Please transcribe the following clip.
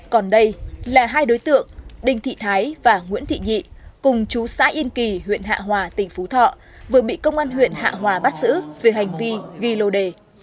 còn đây là hai đối tượng đinh thị thái và nguyễn thị nhị cùng chú xã yên kỳ huyện hạ hòa tỉnh phú thọ vừa bị công an huyện hạ hòa bắt giữ về hành vi ghi lô đề